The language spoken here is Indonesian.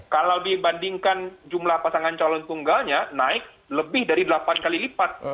kalau dibandingkan jumlah pasangan calon tunggalnya naik lebih dari delapan kali lipat